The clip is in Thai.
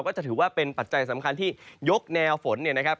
ก็จะถือว่าเป็นปัจจัยสำคัญที่ยกแนวฝนเนี่ยนะครับ